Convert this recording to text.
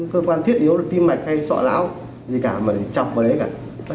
cơ quan thiết yếu tim mạch hay sọ lão gì cả mà chọc vào đấy cả